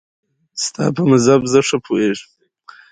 کندهار د افغانستان د ښاري پراختیا سبب کېږي.